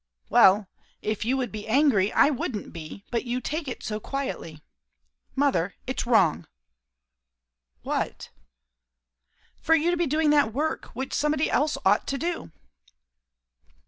"Well, if you would be angry, I wouldn't be; but you take it so quietly. Mother, it's wrong!" "What?" "For you to be doing that work, which somebody else ought to do."